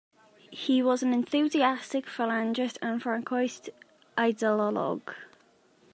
He " was an enthusiaistic Falangist and Francoist idelologue".